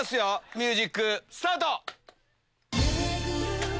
ミュージックスタート！